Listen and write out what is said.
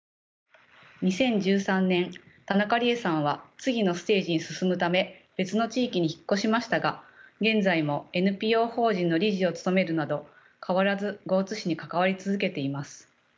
２０１３年田中理恵さんは次のステージに進むため別の地域に引っ越しましたが現在もＮＰＯ法人の理事を務めるなど変わらず江津市に関わり続けています。